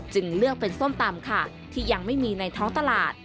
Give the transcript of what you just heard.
เลือกเป็นส้มตำค่ะที่ยังไม่มีในท้องตลาด